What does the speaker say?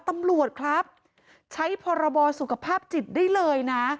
ตำรวจครับใช้พรบสุขภาพจิตได้เลยนะ